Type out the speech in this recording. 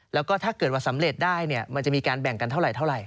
แล้วก็ถ้าเกิดว่าสำเร็จได้มันจะมีการแบ่งกันเท่าไหร